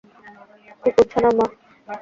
কুকুরছানা, মা!